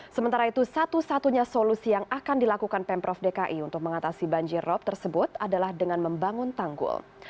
sementara itu satu satunya solusi yang akan dilakukan pemprov dki untuk mengatasi banjir rob tersebut adalah dengan membangun tanggul